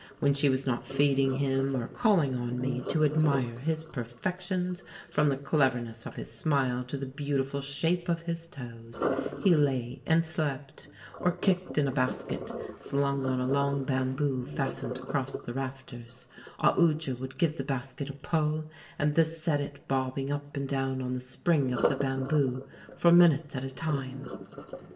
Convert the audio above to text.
When she was not feeding him or calling on me to admire his perfections, from the cleverness of his smile to the beautiful shape of his toes, he lay and slept, or kicked in a basket slung on a long bamboo fastened across the rafters, Aoodya would give the basket a pull, and this set it bobbing up and down on the spring of the bamboo for minutes at a time.